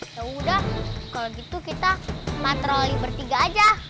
yaudah kalau gitu kita matroli bertiga aja